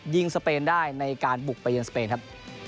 ยิงสเปนได้ในการบุกไปยิงสเปนครับ